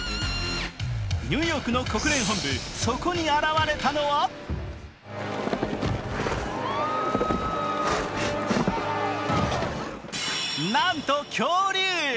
ニューヨークの国連本部そこに現れたのはなんと恐竜。